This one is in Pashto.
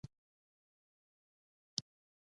سپین ږیری د اوږدې مودې دوستی او مینې نښې لري